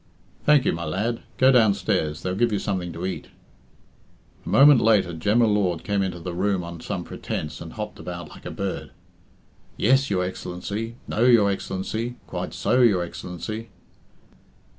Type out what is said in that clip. "Thank you, my lad. Go downstairs. They'll give you something to eat." A moment later Jem y Lord came into the room on some pretence and hopped about like a bird. "Yes, your Excellency No, your Excellency Quite so, your Excellency."